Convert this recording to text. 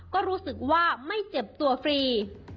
ก็รู้สึกว่าไม่เจ็บตัวฟรี